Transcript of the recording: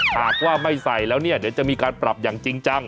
หากว่าไม่ใส่แล้วเนี่ยเดี๋ยวจะมีการปรับอย่างจริงจัง